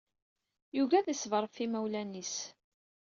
Yugi ad iṣber ɣef yimawlan-is.